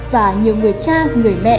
và nhiều người cha người mẹ